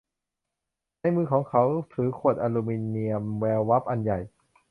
ในมือของเขาถือขวดอะลูมิเนียมแวววับอันใหญ่